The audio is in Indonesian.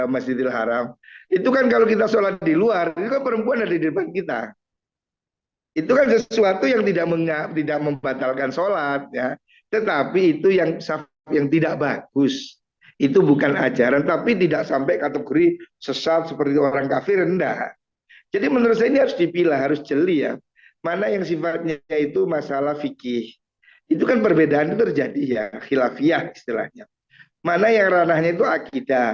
masjidil haram itu kan kalau kita sholat di luar itu kan perempuan ada di depan kita itu kan sesuatu yang tidak membatalkan sholat ya tetapi itu yang tidak bagus itu bukan ajaran tapi tidak sampai kategori sesat seperti orang kafir rendah jadi menurut saya ini harus dipilih harus jeli ya mana yang sifatnya itu masalah fikih itu kan perbedaan itu terjadi ya hilafiah istilahnya mana yang ranahnya itu akidah